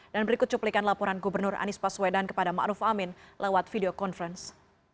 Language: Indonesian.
dan berikut cuplikan laporan gubernur anies baswedan kepada ma'ruf amin lewat video conference